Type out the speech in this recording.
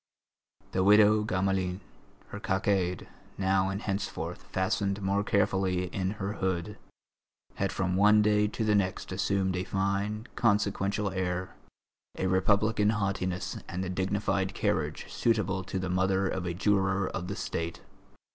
The widow Gamelin, her cockade now and henceforth fastened more carefully in her hood, had from one day to the next assumed a fine, consequential air, a Republican haughtiness and the dignified carriage suitable to the mother of a juror of the State.